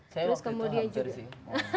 saya waktu itu hampir sih